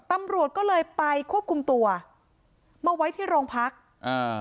ตำรวจก็เลยไปควบคุมตัวมาไว้ที่โรงพักอ่า